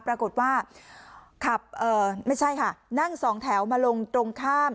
ปรากฏว่าขับเอ่อไม่ใช่ค่ะนั่งสองแถวมาลงตรงข้าม